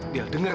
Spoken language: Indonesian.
biar saya dengar